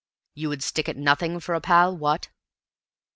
You would stick at nothing for a pal what?"